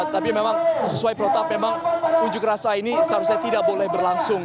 tapi memang sesuai protap memang unjuk rasa ini seharusnya tidak boleh berlangsung